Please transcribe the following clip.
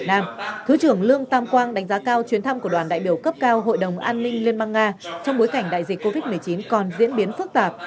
thứ trưởng lương tam quang đánh giá cao chuyến thăm của đoàn đại biểu cấp cao hội đồng an ninh liên bang nga trong bối cảnh đại dịch covid một mươi chín còn diễn biến phức tạp